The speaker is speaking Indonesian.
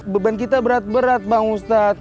beban kita berat berat bang ustadz